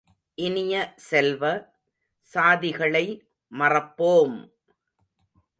இனிய செல்வ, சாதிகளை மறப்போம்!